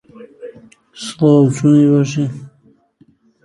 The Lakeport area is located on a sediment-filled valley adjacent to Clear Lake.